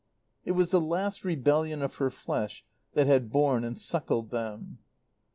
It was the last rebellion of her flesh that had borne and suckled them.